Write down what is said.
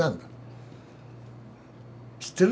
知ってる？